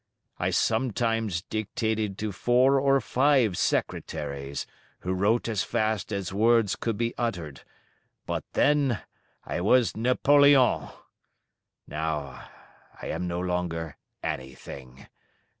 I sometimes dictated to four or five secretaries, who wrote as fast as words could be uttered, but then I was NAPOLEON now I am no longer anything.